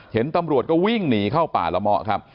เห็นตำรวจก็วิ่งหนีเข้าป่าละเมาะครับ